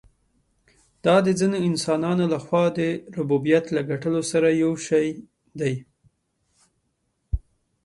دا د ځینو انسانانو له خوا د ربوبیت له ګټلو سره یو شی دی.